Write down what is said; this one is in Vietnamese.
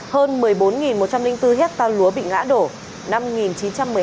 hơn một mươi bốn một trăm linh bốn hecta lúa bị đánh chìm